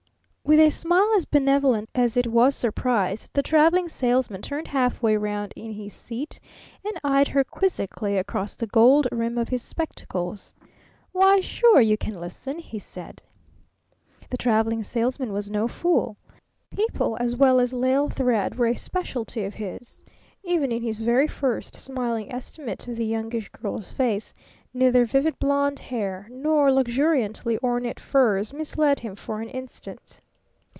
With a smile as benevolent as it was surprised, the Traveling Salesman turned half way around in his seat and eyed her quizzically across the gold rim of his spectacles. "Why, sure you can listen!" he said. The Traveling Salesman was no fool. People as well as lisle thread were a specialty of his. Even in his very first smiling estimate of the Youngish Girl's face, neither vivid blond hair nor luxuriantly ornate furs misled him for an instant.